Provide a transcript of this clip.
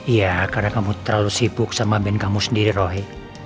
iya karena kamu terlalu sibuk sama band kamu sendiri roy